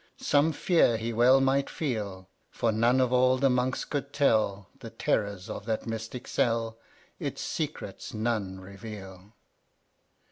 Some fear he well might feel, For none of all the Monks could tell The terrors of that mystic cell, Its secrets none reveal.